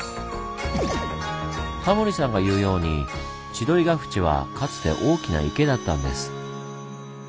タモリさんが言うように千鳥ヶ淵はかつて大きな池だったんです。